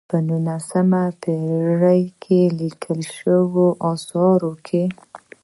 په نولسمه پېړۍ کې لیکل شویو آثارو کې.